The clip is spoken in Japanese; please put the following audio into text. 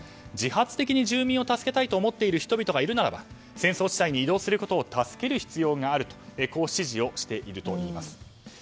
自発的に住民を助けたいと思っている人がいるならば戦争地帯に移動することを助ける必要があるとこう指示をしているといいます。